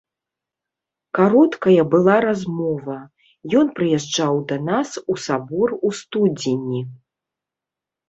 Кароткая была размова, ён прыязджаў да нас у сабор у студзені.